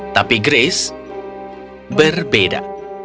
tapi grace berbeda